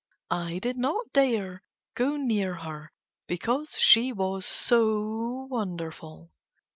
I did not dare go near her because she was so wonderful.